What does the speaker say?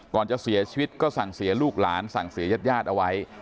ก่อนจะเสียชีวิตก็สั่งเสียลูกหลานสั่งเสียญาติญาติเอาไว้